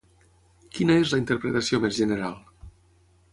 Quina és la interpretació més general?